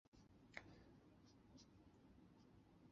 西藏山茉莉为安息香科山茉莉属下的一个种。